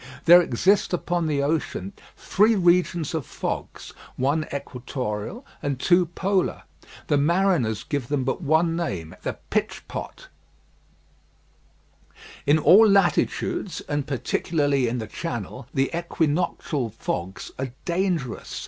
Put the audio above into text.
There exist upon the ocean three regions of fogs, one equatorial and two polar. The mariners give them but one name, the pitch pot. In all latitudes, and particularly in the Channel, the equinoctial fogs are dangerous.